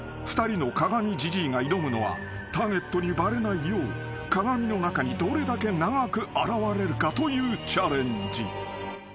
２人の鏡じじいが挑むのはターゲットにバレないよう鏡の中にどれだけ長く現れるかというチャレンジ］